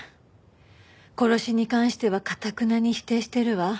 殺しに関してはかたくなに否定してるわ。